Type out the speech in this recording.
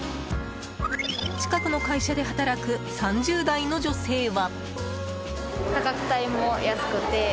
近くの会社で働く３０代の女性は。